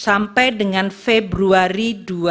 sampai dengan februari dua ribu dua puluh